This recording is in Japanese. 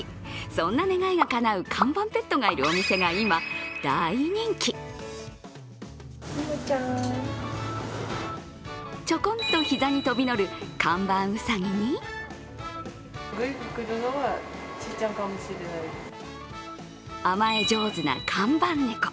そんな願いがかなう看板ペットがいるお店が今、大人気ちょこんと膝に飛び乗る看板うさぎに甘え上手な看板猫。